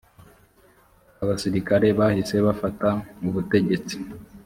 abasirikare bahise bafata ubutegetsi